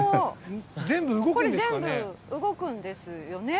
全部動くんですよね。